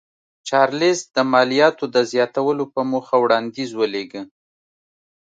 چارلېز د مالیاتو د زیاتولو په موخه وړاندیز ولېږه.